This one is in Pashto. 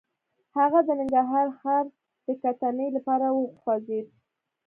هغه د ننګرهار ښار د کتنې لپاره وخوځېد.